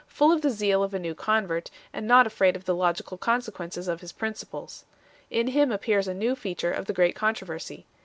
317 full of the zeal of a new convert, and not afraid of the logical consequences of his principles. In him appears a new feature of the great controversy.